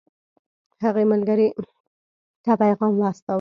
هغې خپل ملګرې ته پیغام واستاوه